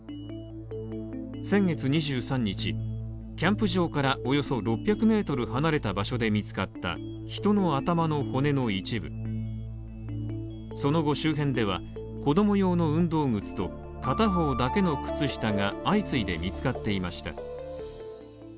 先月２３日キャンプ場からおよそ６００ｍ離れた場所で見つかった人の頭の骨の一部その後周辺では子供用の運動靴と片方だけの靴下が相次いで見つかっていました。